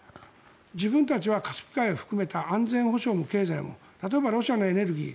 自分たちはカスピ海を含めた安全保障も経済も例えばロシアのエネルギー